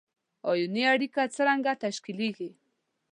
آیوني اړیکه څرنګه تشکیلیږي؟